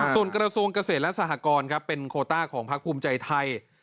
ส่วนกระทรวงเกษตรและสหกรครับเป็นโคต้าของพักภูมิใจไทย